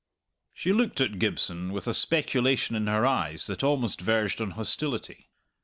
She looked at Gibson with a speculation in her eyes that almost verged on hostility.